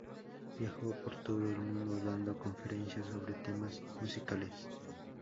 Viajó por todo el mundo dando conferencias sobre temas musicales.